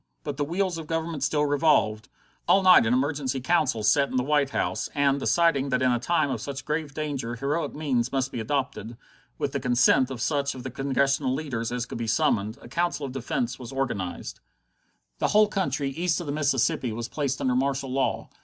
But the wheels of government still revolved. All night an emergency council sat in the White House, and, deciding that in a time of such grave danger heroic means must be adopted, with the consent of such of the Congressional leaders as could be summoned, a Council of Defence was organized. The whole country east of the Mississippi was placed under martial law.